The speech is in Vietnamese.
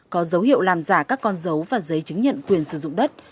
có dấu hiệu làm giả các con dấu và giấy chứng nhận quyền sử dụng đất